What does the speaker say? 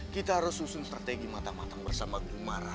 kita harus susun strategi matang matang bersama gumara